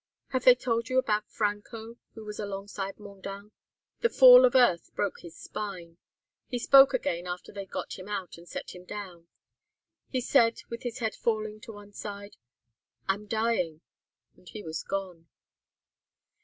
Have they told you about Franco, who was alongside Mondain? The fall of earth broke his spine. He spoke again after they'd got him out and set him down. He said, with his head falling to one side, 'I'm dying,' and he was gone.